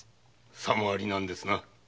さもありなんですな。